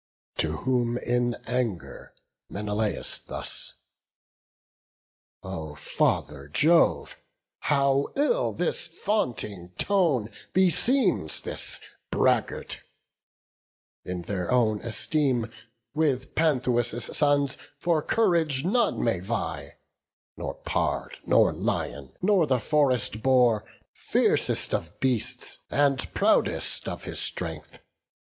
To whom in anger Menelaus thus: "O Father Jove, how ill this vaunting tone Beseems this braggart! In their own esteem, "With Panthous' sons for courage none may vie; Nor pard, nor lion, nor the forest boar, Fiercest of beasts, and proudest of his strength.